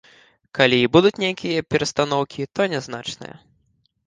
Калі і будуць нейкія перастаноўкі, то нязначныя.